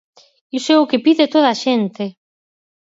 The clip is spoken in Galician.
Iso é o que pide toda a xente.